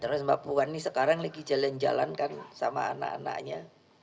terus bapuan ini sekarang lagi jalan jalankan sama anak anaknya